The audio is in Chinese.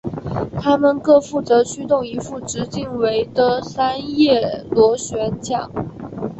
它们各负责驱动一副直径为的三叶螺旋桨。